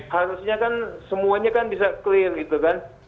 harusnya kan semuanya kan bisa clear gitu kan